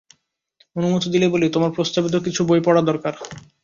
অনুমতি দিলে বলি, তোমার প্রস্তাবিত কিছু বই পড়া দরকার।